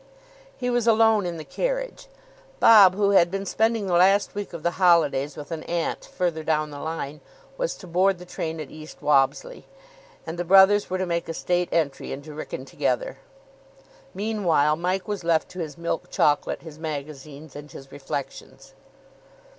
He was alone in the carriage. Bob, who had been spending the last week of the holidays with an aunt further down the line, was to board the train at East Wobsley, and the brothers were to make a state entry into Wrykyn together. Meanwhile, Mike was left to his milk chocolate, his magazines, and his reflections.